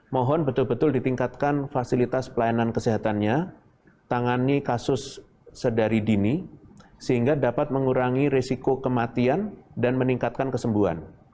mohon betul betul ditingkatkan fasilitas pelayanan kesehatannya tangani kasus sedari dini sehingga dapat mengurangi resiko kematian dan meningkatkan kesembuhan